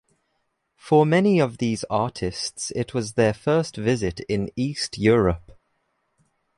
For many of these artists it was their first visit in East Europe.